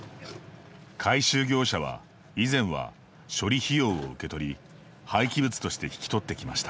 回収業者は以前は、処理費用を受け取り廃棄物として引き取ってきました。